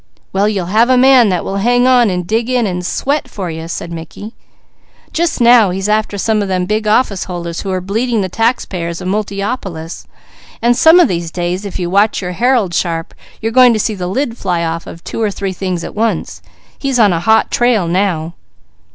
"Well you'll have a man that will hang on and dig in and sweat for you," said Mickey. "Just now he's after some of them big office holders who are bleeding the taxpayers of Multiopolis. Some of these days if you watch your Herald sharp, you're going to see the lid fly off of two or three things at once. He's on a hot trail now."